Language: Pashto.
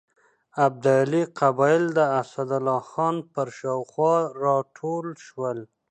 ابدالي قبایل د اسدالله خان پر شاوخوا راټول شول.